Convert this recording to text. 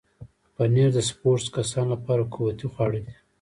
پنېر د سپورټس کسانو لپاره قوتي خواړه دي.